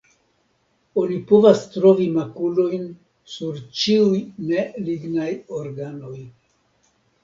Oni povas trovi makulojn sur ĉiuj ne lignaj organoj.